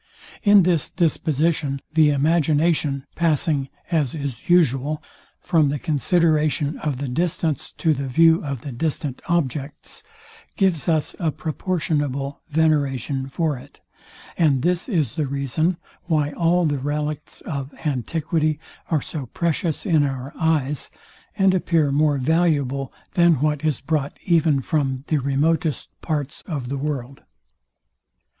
In this disposition, the imagination, passing, as is usual, from the consideration of the distance to the view of the distant objects, gives us a proportionable veneration for it; and this is the reason why all the relicts of antiquity are so precious in our eyes, and appear more valuable than what is brought even from the remotest parts of the world.